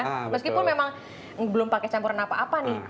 meskipun memang belum pakai campuran apa apa nih